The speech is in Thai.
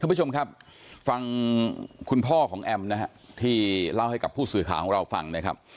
ผู้ชมครับฟังคุณพ่อของแอมนะฮะที่เล่าให้กับผู้สื่อข่าวของเราฟังนะครับ